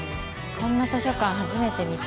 こんな図書館、初めて見た。